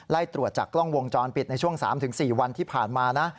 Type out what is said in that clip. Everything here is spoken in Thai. ตรวจจากกล้องวงจรปิดในช่วง๓๔วันที่ผ่านมานะ